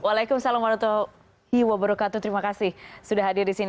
waalaikumsalam warahmatullahi wabarakatuh terima kasih sudah hadir di sini